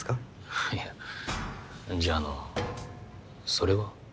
ははっいやじゃああのそれは？